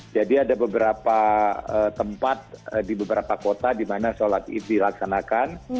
jadi ada beberapa tempat di beberapa kota di mana sholat id dilaksanakan